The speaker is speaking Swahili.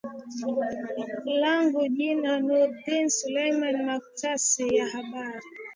langu jina nurdin seleman mktasari wa habari